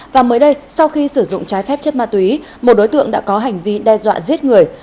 và mới đây sau khi sử dụng trái phép chất ma túy một đối tượng đã có hành vi đe dọa giết người